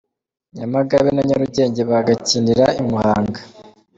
Nyamagabe na Nyarugenge bagakinira i Muhanga.